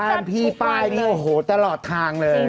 แต่พี่ป้ายนี่โอ้โหตลอดทางเลย